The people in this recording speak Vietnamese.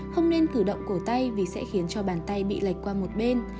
không nên cử động cổ tay vì sẽ khiến cho bàn tay bị lệch qua một bên